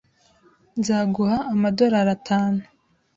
Nzaguha amadorari atanu.